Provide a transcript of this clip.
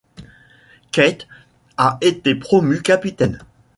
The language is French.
Kate a été promue capitaine.